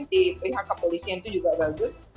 di pihak kepolisian itu juga bagus